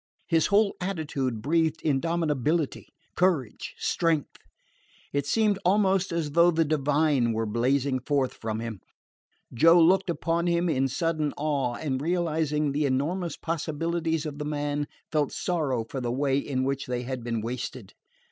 His whole attitude breathed indomitability, courage, strength. It seemed almost as though the divine were blazing forth from him. Joe looked upon him in sudden awe, and, realizing the enormous possibilities of the man, felt sorrow for the way in which they had been wasted.